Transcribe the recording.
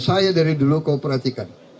saya dari dulu kau perhatikan